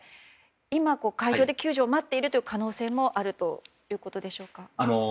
今、海上で救助を待っている可能性もあるということでしょうか。